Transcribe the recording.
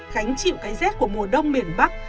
gánh chịu cái rét của mùa đông miền bắc